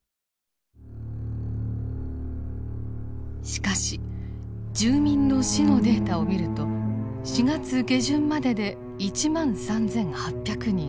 しかし住民の死のデータを見ると４月下旬までで１万３，８００人。